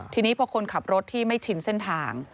ทีนี้พอคนขับรถที่ไม่ชินเส้นทาง